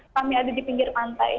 kami ada di pinggir pantai